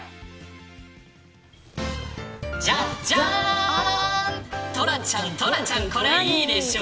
じゃじゃーんトラちゃん、これいいでしょう。